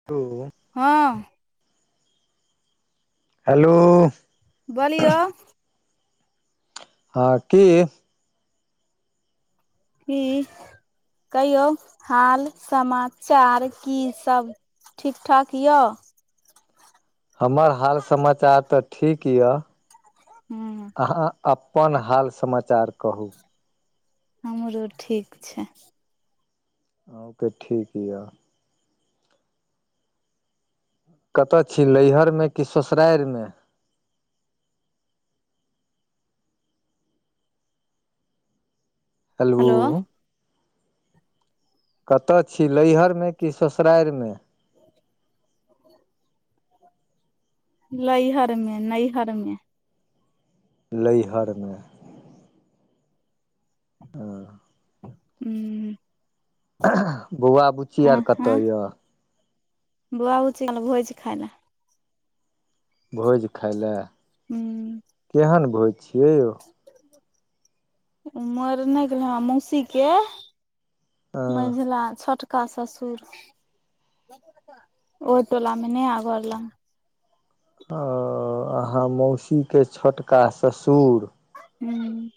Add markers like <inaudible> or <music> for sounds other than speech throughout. <inaudible> हँ। हेलो। बोलियौ? हँ की? की कहिऔ, <inaudible> हाल समाचार की सब? ठीक ठाक य? हमर हाल समाचार त ठीक य। हूं। अहाँ अपन हाल समाचार कहू? हमरो ठीक छै। अहुंके ठीक य। कत छी? लैहरमे कि ससुरारि मे? हेलु? हेलो कत छी? लैहरमे कि ससुरारि मे? लैहरमे, नैहरमे। लैहर मे। ओ। <inaudible> उं। अह ह बौआ बुच्ची आर कतऽ आहाँ य? बौआ बुच्ची <unintelligible> छै खाइ ले। भोज खाइ ले? हूँ <inaudible> केहन भोज छियै यौ? मरने के <unintelligible> मौसीके <inaudible> मझिला छोट का ससुर, <inaudible> ओइ टोलामे नया घर लंग। ओ अहाँ मौसीके छोटका ससुर? <inaudible> हूं।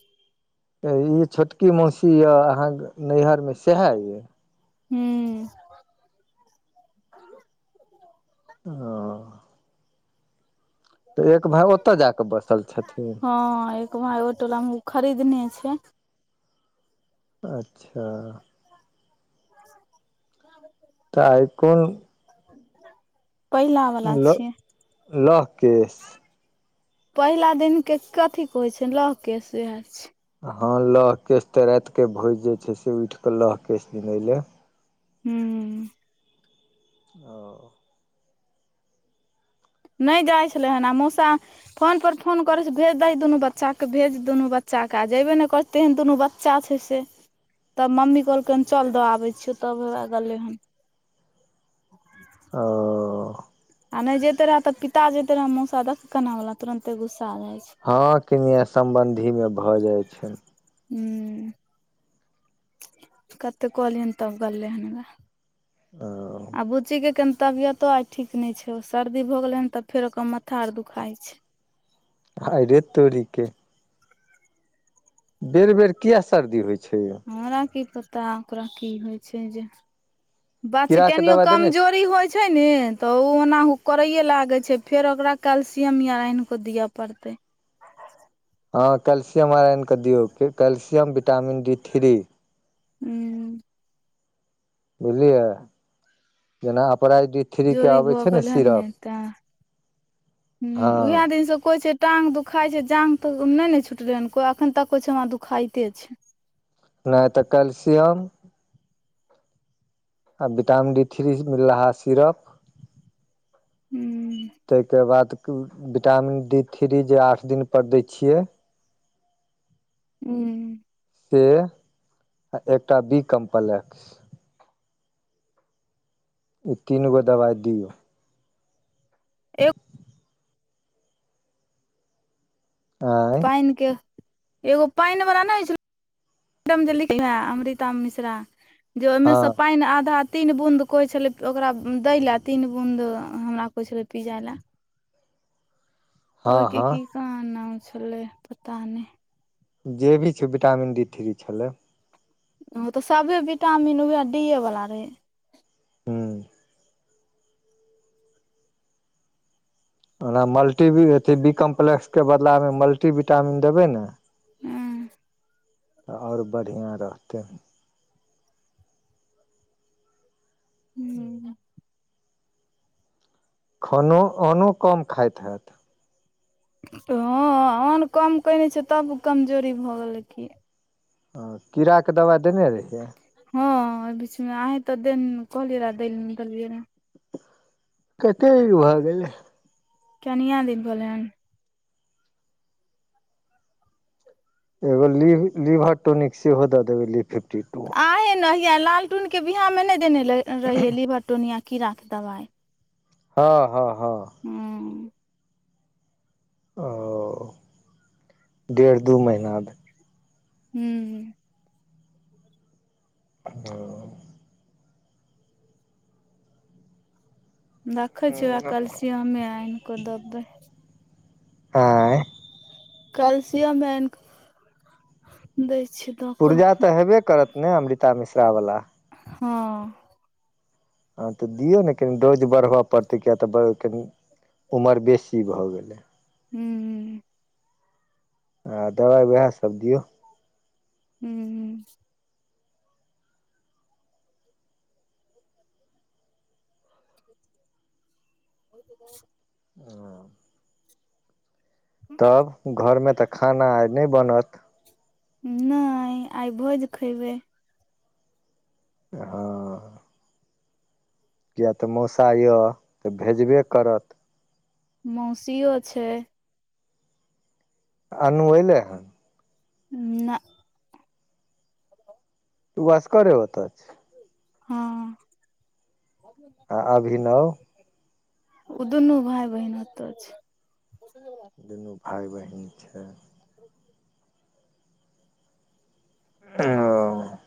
ई छोटकी मौसी या, अहाँके नैहरमे सेहे यै? हुं। <inaudible> ह त एक भांय ओत जााक बसल छथिन? हँ, एक भांइ ओइ टोलामे, उ खरीदने छै। अच्छा। <unintelligible> त आइ कोन? पहिला बला ल छियै। लौह केश <inaudible> पहिला दिनके कथीे कहै छै? लहकेश उहे छै। हँ लह केश तेराति के भोज जे छै से उठि कऽ लह केश दिन अइलै। हुं। ओ। नै जाइ छलै हन आ मौसा फोन पर फोन करै से भेज दही दुनू बच्चाके, भेज दुनू बच्चा के आ जैबे नै कर तेहेन दुनू बच्चा छै से तब मम्मी कहलकै, हम चल द आबै छियौ तब हौआ गेलै हन। <unintelligible> आ आ नै जैतै रहा त पिता जैतै रहा मौसा देख कना बला तुरंते गुस्सा जाइ छै। हँ किनी या समबंधी मे भए जाइ छन। <unintelligible> हूं‌। कत्ते कहलियैन तब गललयहन। आ आ बुच्चीके कनि तबियतो आइ ठीक नय छै, सर्दी भऽ गेलैहन तऽ फेर ओकर माथा आर दुखाइ छै। आइ रे तोड़िके। बेर बेर कियै सर्दी होइ छै यौ? हमरा की पता ओकरा की होइ छै जे? बात छै कीड़ा के केनियो दवा देने छी कमजोरी होइ छै ने तऽ ओ ओना ओ करैये लागय छै, फेर ओकरा कैल्सियम या आइन कऽ दिअ पड़तै। हँ कैल्सियम आइरनऽआइन क दियौ। Calcium vitamin D three. हूं। बुझलियै। जेना अपराग द्वी- जोरी भऽ गेल हन ने तें। हँ उहैऽ दिन स कइ छै टांग दुखाय छै जाग तऽ नय ने छुटले हन कोइ, अखन तक कहै छै हमरा दुखाइते छै। नय तऽ कैलसियम आ विटामिन डी थ्री मिललाहा सिरप? हूँ - तयके बाद विटामिन डी थ्री जे आठ दिनपर दै छियै। उं। से एकटा बी कम्प्लेक्स। ई तीन गो दवाइ दियौ। एगो <unintelligible> आंय पाइन के, एग्गो पाइन वाला नै होइ छल् मैडम जे लिखलै, अमृता मिश्रा जे हँ ओहिमेसँ पाइन आधा तीन बुंद कोइ छलै ओकरा दै लय, तीन बूँद हमरा कइ छलै पिजै लय। हँ ओहि के हँ की कहाँ नाम छलै पता नय। जे भी छै विटामिन डी थ्री छलै। ओ तऽ सभे विटामिन उएह डीए वला रहै। <inaudible> ओना मल्टी बी अथी बी कम्प्लेक्स के बदलामे मल्टी विटामिन देबै ने हँ- तऽ और बढ़िआँ रहतै। हू - खानो, अनो कम खाइत हैत। हँ अन्न कम कने छै तब कमजोरी भऽ गेलै की। अ-कीड़ाके दवाइ देने रहियैय। हँ बीचमे, अही तऽ देन्, कहले रहियै, दैल निकलियै रैह। कते इ भ गेलै? कनिया दीन भेलैहन? एगो लीव लीवर टोनिक सेहो द देबे लीव फिफ्टी टू। आ हे ने हैयै, लालटूनके बियाहमे नय देने रहियै लीवर टोनया कीड़ाके दवाइ हँ- हँ- हँ- हँ ओ डेढ़ दू महिना भेल। हूं। ह- दखै छिय वैह कैल्सियमे आनि कऽ देब आँए कल्सियम एन कऽ दै छी पुर्जा तऽ हेबे करत ने अमृता मिश्रा बला हँ हँ तऽ दियौ ने कनि डोज बढ़ब पड़तै किया तऽ ब कनि उमर बेसी भऽ गेलै हू आ दवाइ वेह सब दियौ हू होएते द <unintelligible> ह तब घरमे तऽ खाना आए नहि बनत नहि आई भोज खयबै हऽ किए तऽ मौसा यऽ तऽ भेजबे करत मौसीयो छै अनू अएले हन नाऽ ऊ असगरे ओत छै हँ आ अभिनव ऊऽ दुनू भाय बहिन ओत छै दुनू भाई बहिन छै ओ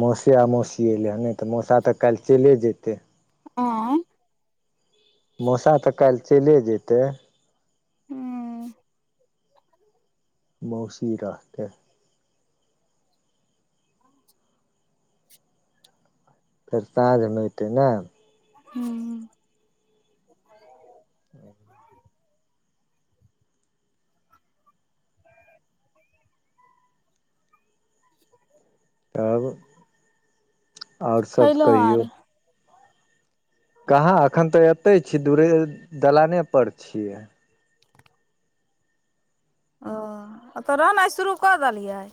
मौसीया आ मौसी अएलै हँ नहि तऽ मौसा तऽ काल्हि चइलै जतै आ मौसा तऽ काल्हि चइले जतै हू मौसी रहतै <inaudible> फेर साँझमे अतै ने हू <unintelligible> आहिरो <inaudible> तब और सब खैलौं कहियौ आर कहाँ अखन तऽ एतै छी दुरे दलाने पर छियै ओ अतऽ रहनाइ शुरू कऽ देलियै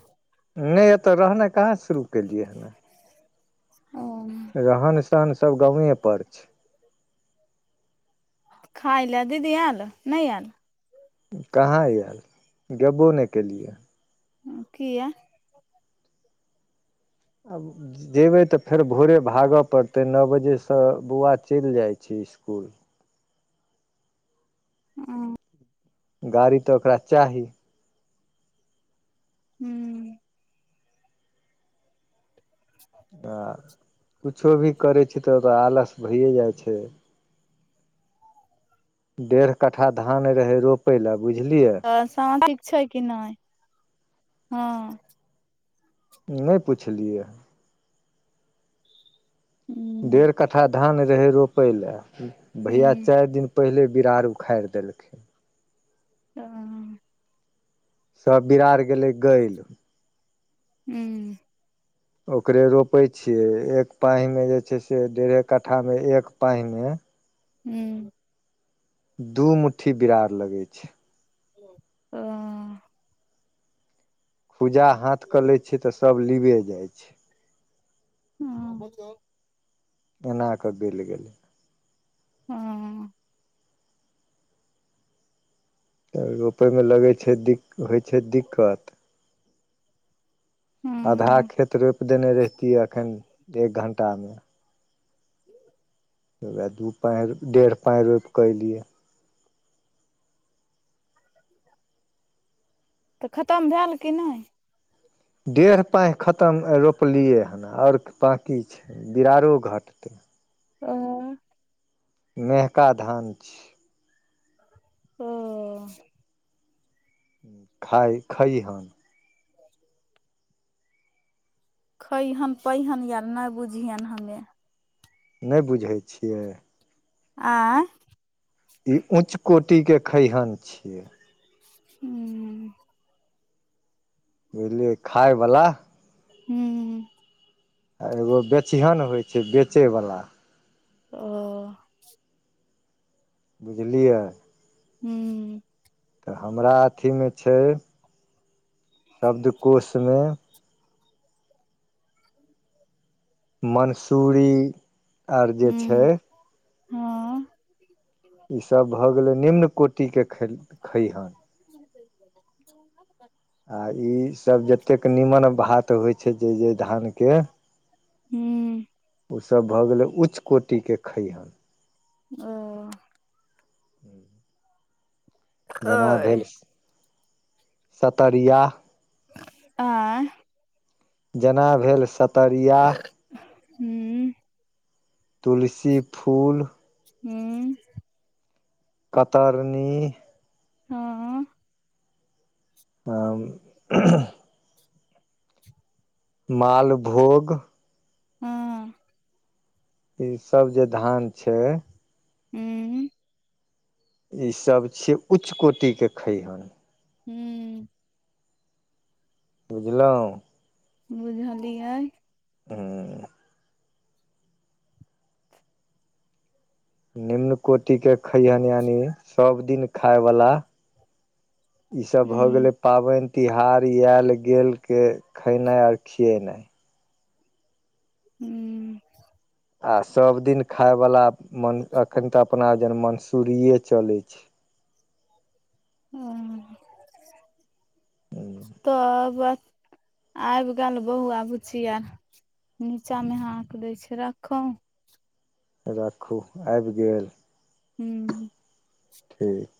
नहि एतऽ रहनाइ कहाँ शुरू केलियै ह ओ रहन-सहन सब गावें पर छै खाइ लए दीदी एल नहि एल कहाँ यैल गेबो नहि केलियै किये आब जीबै तऽ फेर भोरे भागे पड़तै नौ बजे सँ बौआ चल जाए छै ईसकुल हूँ। गाड़ी तऽ ओकरा चाही। हूँ। आ कुछो भी करै छी तऽ तऽ आलस भइए जाइ छै। डेढ़ कट्ठा धान रहै रोपय लए बुझलियै। तऽ शांतिक छै कि नै हँ। नै पुछलियै। हूं डेढ़ कट्ठा धान रहै रोपय लए। भैया हूं चार दिन पहिले बिरार उखाड़ देलकै तऽ। सब बिरार गेले गैल हूं। ओकरे रोपै छियै एक पाइन में जे छै से डेढ़े कट्ठा मे एक पाइन में। हू। दू मुठ्ठी बिरार लगे छै। ह पूजा हाथ कऽ लै छियै तऽ सब लीबे जाइ छै। ह <unintelligible> एनाकऽ बिल गेलै। हँ। तब रोपय में लगै छै दिक होइ छै दिक्कत आधा हूं खेत रोप देने रहितियै एखन एक घंटा में। <inaudible> एह दू पाई डेढ़ पाई रोप कऽ एयलियै तऽ खतम भैल कि नै। डेढ़ पाई खतम रोपलियै हँ ओर बाँकी छै बिरारो घटतै ओ। मेहका धान छी। ओ। खाय खइह क <unintelligible> खैहन पैहेन या नहि बुझिहनि हमे नहि बुझै छियै। आय ई ऊँच कोटि के खैहन छियै। हूँ। बुझलियै खाय बला। हूँ। आ एगो बेचिहन होइ छै बेचयवला। ओ बुझलियै। हूं। तऽ हमरा अथी मे छै शब्दकोष में। मन्सूरी हू हँ। ई सब भऽ गेले निम्न कोटि के ख खैहर- - <inaudible> आ ई सब जतेक नीमन भात होइ छै जे -जे धानके- - हू- - ओ सब भऽ गेलै उच्च कोटिके खैहर- - ओ- - हू- - जेना अय भेल सतरिया - - ऐह- - जेना भेल सतरियाह- - ऊं - - तुलसी फूल- - हूँ- - कतरनी- - हँ- - तब ह - ह- - मालभोग- - हँ- - ई सब जे धान छै। हूँ- - ईसभ छियै उच्च कोटिके खैहर- - हू- - बुझलहुँ- - बुझलिय - - हुं - - निम्न कोटि के खैयानी यानि सब दिन खााय बला। ईसभ भऽ गेलै हूँ पाबनि तिहार आयल गेल के खेनाइ खि- - कियो नहि- - हू- - आ सब दिन खाय वाला मन अखन ते अपना जन मंसूरीे चले। हुं त ब- - आबि गेल बहुआ बुची आर- - नीचा मे हाक दय छै राखो- - राखू आबि गेल। हू ठी- -